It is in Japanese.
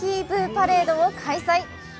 パレードを開催。